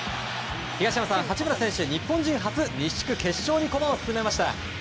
東山さん、八村選手は日本人初西地区決勝に駒を進めました。